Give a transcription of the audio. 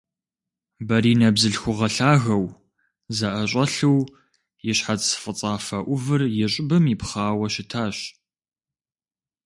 Баринэ бзылъхугъэ лъагэу, зэӀэщӀэлъу, и щхьэц фӀыцӀафэ Ӏувыр и щӀыбым ипхъауэ щытащ.